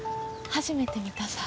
初めて見たさ。